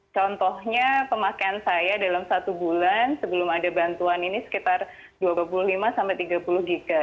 contohnya pemakaian saya dalam satu bulan sebelum ada bantuan ini sekitar dua puluh lima sampai tiga puluh giga